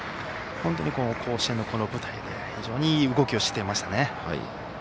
本当に甲子園のこの舞台で非常にいい動きをしていましたね。